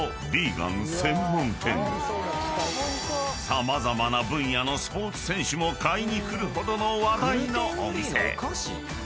［様々な分野のスポーツ選手も買いに来るほどの話題のお店］